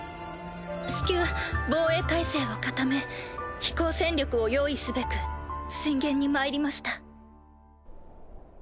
至急防衛態勢を固め飛行戦力を用意すべく進言にまいりました。